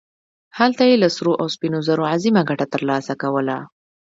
هلته یې له سرو او سپینو زرو عظیمه ګټه ترلاسه کوله.